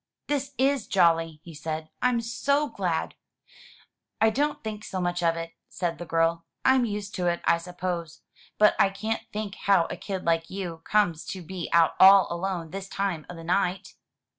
"This is jolly!" he said. "I'm so glad!" "I don't think so much of it," said the girl. "I'm used to it, I suppose. But I can't think how a kid like you comes to be out all alone this time o' the night."